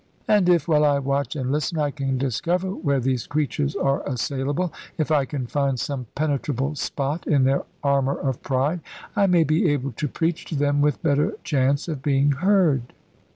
And if, while I watch and listen, I can discover where these creatures are assailable, if I can find some penetrable spot in their armour of pride, I may be able to preach to them with better chance of being heard."